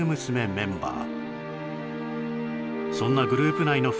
メンバー